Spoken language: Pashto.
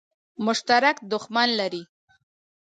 مشترک دښمن لري.